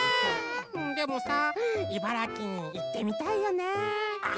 でもさ茨城にいってみたいよね。